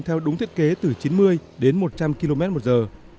theo đúng thiết kế từ chín mươi đến một trăm linh km một giờ